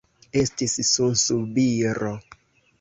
Estis sunsubiro.